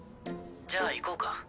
じゃあ行こうか。